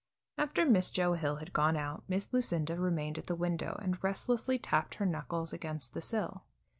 After Miss Joe Hill had gone out, Miss Lucinda remained at the window and restlessly tapped her knuckles against the sill.